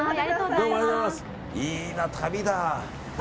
いいな、旅だ。